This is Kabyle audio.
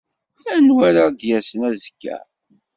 Anwa ara d-yasen azekka?